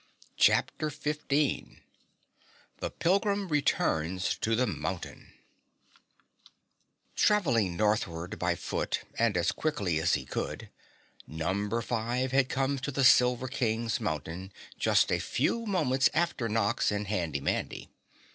CHAPTER 15 The Pilgrim Returns to the Mountain Travelling northward by foot and as quickly as he could, Number Five had come to the Silver King's Mountain just a few moments after Nox and Handy Mandy.